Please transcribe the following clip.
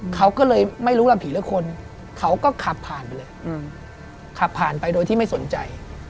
เขาก็เลยไม่รู้ล่ะผีหรือคนเขาก็ขับผ่านไปเลยขับผ่านไปโดยที่ไม่สนใจ